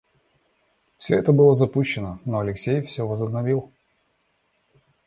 Всё это было запущено, но Алексей всё возобновил.